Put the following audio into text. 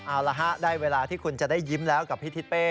เอาละฮะได้เวลาที่คุณจะได้ยิ้มแล้วกับพี่ทิศเป้